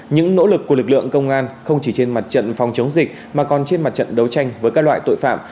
những nỗ lực của lực lượng công an không chỉ trên mặt trận phòng chống dịch mà còn trên mặt trận đấu tranh với các loại tội phạm